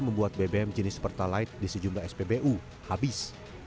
membuat bbm jenis pertalite di sejumlah spbu habis